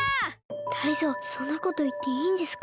タイゾウそんなこといっていいんですか？